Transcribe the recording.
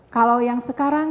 kalau yang sekarang